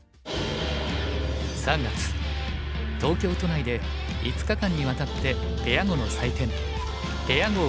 ３月東京都内で５日間にわたってペア碁の祭典ペア碁